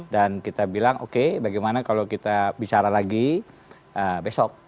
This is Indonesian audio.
dan kita bilang oke bagaimana kalau kita bicara lagi besok